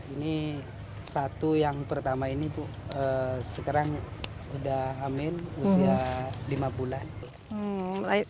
ini satu yang pertama ini bu sekarang udah amin usia lima bulan